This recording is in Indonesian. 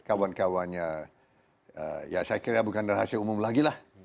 kawan kawannya ya saya kira bukan rahasia umum lagi lah